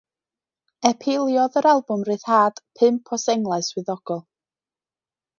Epiliodd yr albwm ryddhad pump o senglau swyddogol.